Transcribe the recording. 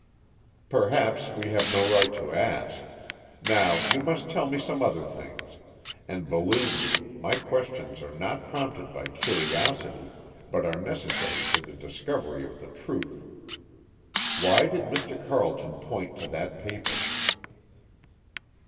"Perhaps we have no right to ask. Now you must tell me some other things, and, believe me, my questions are not prompted by curiosity, but are necessary to the discovery of the truth. Why did Mr. Carleton point to that paper?"